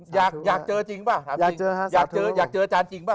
อยากเจอจริงป่ะอยากเจออาจารย์จริงป่ะ